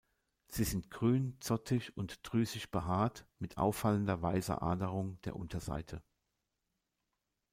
Sie sind grün, zottig und drüsig behaart, mit auffallender weißer Aderung der Unterseite.